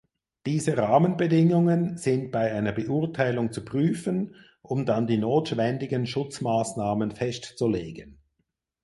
Diese Rahmenbedingungen sind bei einer Beurteilung zu prüfen um dann die notwendigen Schutzmaßnahmen festzulegen.